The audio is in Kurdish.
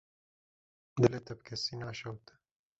Dilê te bi kesî naşewite.